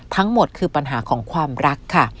ทั้งหมดคือปัญหาของความรักค่ะ